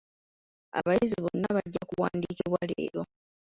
Abayizi bonna bajja kuwandiikibwa leero.